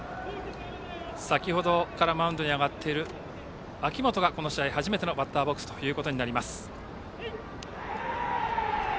先程からマウンドに上がっている秋本がこの試合初めてのバッターボックスとなります。